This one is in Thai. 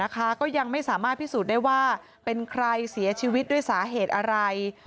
ก็ยังไม่สามารถพิสูจน์ได้ว่าเป็นใครเสียชีวิตด้วยสาเหตุอะไร